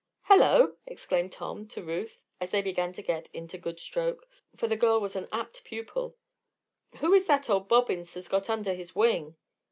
"Hullo!" exclaimed Tom to Ruth, as they began to get into good stroke for the girl was an apt pupil "who is that old Bobbins has got under his wing?"